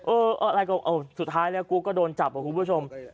อะไรก็สุดท้ายแล้วกูก็โดนจับครับคุณผู้ชม